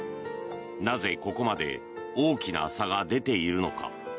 なぜ、ここまで大きな差が出ているのか？